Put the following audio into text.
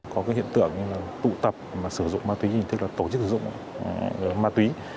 có hiện tượng tụ tập sử dụng ma túy tức là tổ chức sử dụng ma túy